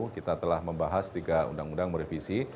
kita telah membahas tiga undang undang merevisi